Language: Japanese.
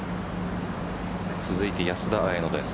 続いて安田彩乃です。